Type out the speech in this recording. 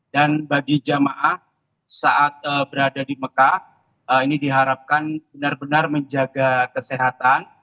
dan bagi jemaah saat berada di mekah ini diharapkan benar benar menjaga kesehatan